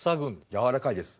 柔らかいです。